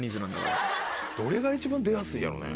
どれが一番出やすいやろね。